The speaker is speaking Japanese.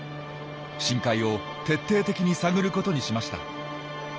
深海を徹底的に探ることにしました。